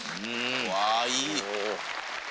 「うわあいい」